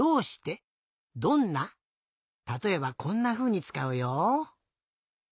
たとえばこんなふうにつかうよ。